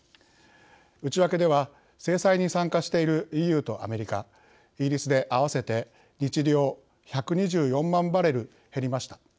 内訳では、制裁に参加しているＥＵとアメリカ、イギリスで合わせて日量１２４万バレル減りました。